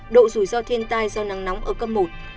độ rủi ro thiên tai do nắng nóng ở cấp một